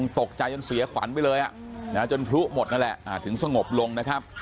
ตกใจจนเสียขวัญไปเลยจนพลุหมดนั่นแหละถึงสงบลงนะครับ